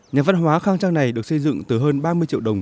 nhà văn hóa khang trang này được xây dựng từ hơn ba mươi triệu đồng